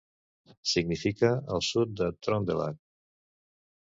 Significa 'El sud de Trøndelag'.